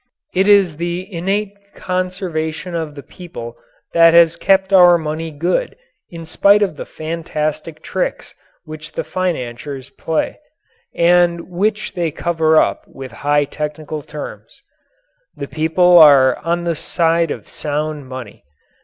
It is the innate conservation of the people that has kept our money good in spite of the fantastic tricks which the financiers play and which they cover up with high technical terms. The people are on the side of sound money.